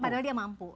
padahal dia mampu